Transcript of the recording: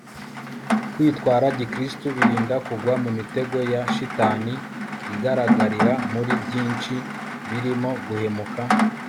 kwitwara gikristu, birinda kugwa mu mitego ya shitani igaragarira muri byinshi birimo guhemuka